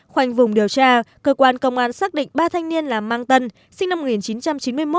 khoanh vùng điều tra cơ quan công an xác định ba thanh niên là mang tân sinh năm một nghìn chín trăm chín mươi một